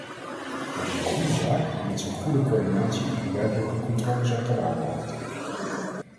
Dat is een goede zaak, mits een goede coördinatie en werkelijke controle zijn gewaarborgd.